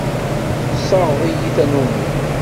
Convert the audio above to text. Tessaɣeḍ-iyi tannumi.